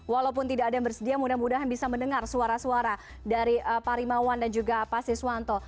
walaupun tidak ada yang bersedia mudah mudahan bisa mendengar suara suara dari pak rimawan dan juga pak siswanto